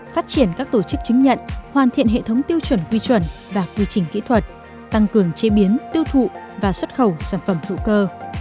phát triển các tổ chức chứng nhận hoàn thiện hệ thống tiêu chuẩn quy chuẩn và quy trình kỹ thuật tăng cường chế biến tiêu thụ và xuất khẩu sản phẩm hữu cơ